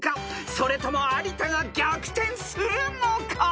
［それとも有田が逆転するのか？］